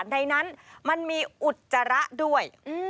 ในนั้นมันมีอุจจาระด้วย